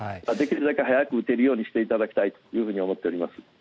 できるだけ早く打てるようにしていただきたいと思っております。